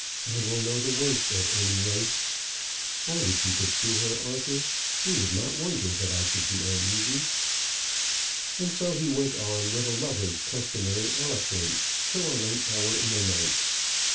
I will know the worst at any rate. I wish you could see her, Arthur; you would not wonder that I should be uneasy." And so he went on with a lover's customary eloquence till a late hour in the night.